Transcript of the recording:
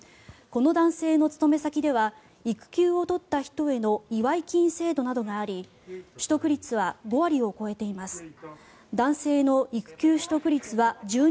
この男性の勤め先では育休を取った人への祝い金制度などがあり取得率は５割を超えています。